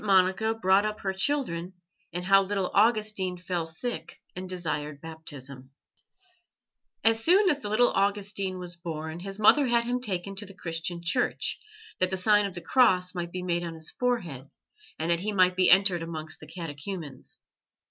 MONICA BROUGHT UP HER CHILDREN, AND HOW THE LITTLE AUGUSTINE FELL SICK AND DESIRED BAPTISM As soon as the little Augustine was born, his mother had him taken to the Christian Church, that the sign of the Cross might be made on his forehead, and that he might be entered amongst the catechumens.